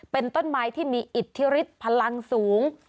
เป็นต้นไม้ที่มีอิทธิฤทธิ์พลังสูง